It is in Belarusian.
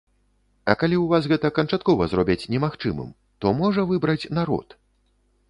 А калі ў вас гэта канчаткова зробяць немагчымым, то можа выбраць народ?